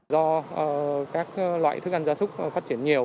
do các loại thức ăn gia súc phát triển nhiều